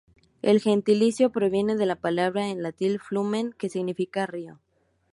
El gentilicio proviene de la palabra en latín "flumen" que significa "río".